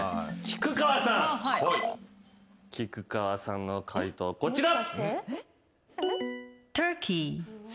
菊川さんの解答こちら。